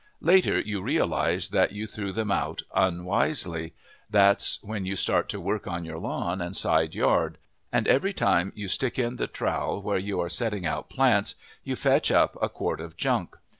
Later you realize that you threw them out unwisely. That's when you start to work on your lawn and side yard, and every time you stick in the trowel where you are setting out plants you fetch up a quart of junk.